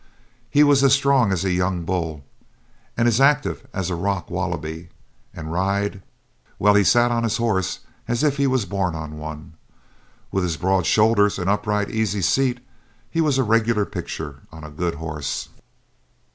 He was as strong as a young bull, and as active as a rock wallaby and ride! Well, he sat on his horse as if he was born on one. With his broad shoulders and upright easy seat he was a regular picture on a good horse.